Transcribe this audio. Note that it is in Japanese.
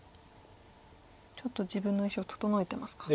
ちょっと自分の石を整えてますか。